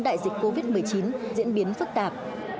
đại dịch covid một mươi chín diễn biến phức tạp